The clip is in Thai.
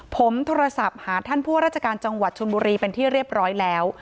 ผมโทรศัพท์หาท่านผู้ราชการจังหวัดชนบุรีเป็นที่เรียบร้อยแล้ว